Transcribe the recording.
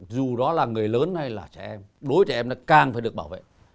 dù đó là người lớn hay là trẻ em đối với trẻ em càng phải được bảo vệ